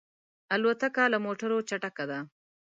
الوتکه له موټرو چټکه ده.